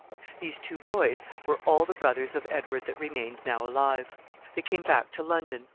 These two boys were all the brothers of Edward that remained now alive. They came back to London.